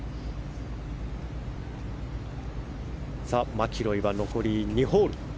マキロイは残り２ホール。